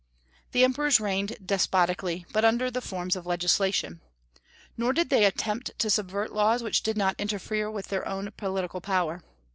The emperors reigned despotically, but under the forms of legislation. Nor did they attempt to subvert laws which did not interfere with their own political power.